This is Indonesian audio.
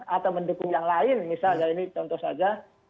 atau mendukung yang lain misalnya ini contoh saja